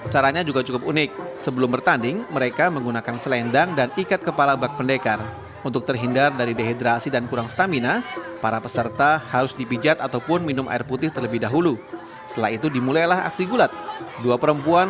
yang penting adalah memeriahkan tradisi ini setiap tahun